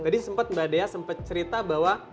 tadi sempat mbak dea sempat cerita bahwa